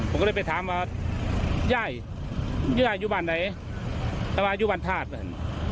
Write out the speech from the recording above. ผมก็เลยไปถามว่าย่ายอยู่บางไหนแต่ว่ายูบายุบาลธาตุ